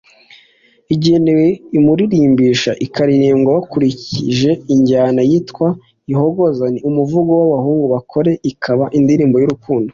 igenewe umuririmbisha, ikaririmbwa bakurikije injyana y'iyitwa ihogoza. ni umuvugo w'abahungu ba kore, ikaba indirimbo y'urukundo